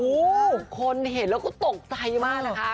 โอ้โหคนเห็นแล้วก็ตกใจมากนะคะ